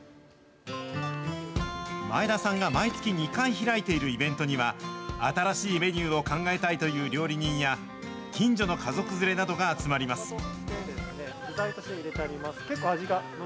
前田さんが毎月２回開いているイベントには、新しいメニューを考えたいという料理人や、近所の家族連れなどが集まります。